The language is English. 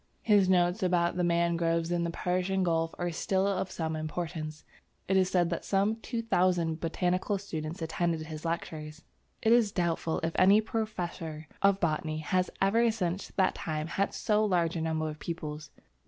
His notes about the mangroves in the Persian gulf are still of some importance. It is said that some two thousand botanical students attended his lectures. It is doubtful if any professor of botany has ever since that time had so large a number of pupils.